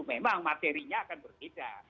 memang materinya akan berbeda